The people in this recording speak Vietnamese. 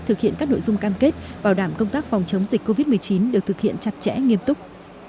thực hiện các nội dung cam kết bảo đảm công tác phòng chống dịch covid một mươi chín được thực hiện chặt chẽ nghiêm túc